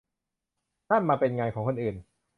นั่นมันเป็นงานของคนอื่น